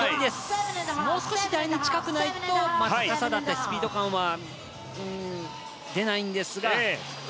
もう少し台に近くないとスピード感は出ないんですが。